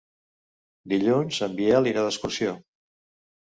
Dilluns en Biel irà d'excursió.